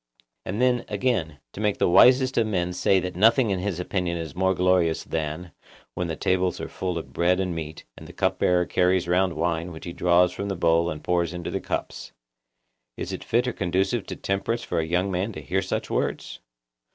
And then, again, to make the wisest of men say that nothing in his opinion is more glorious than 'When the tables are full of bread and meat, and the cup bearer carries round wine which he draws from the bowl and pours into the cups,' is it fit or conducive to temperance for a young man to hear such words?